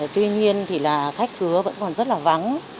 tuy nhiên thì là khách cứa vẫn còn rất là vắng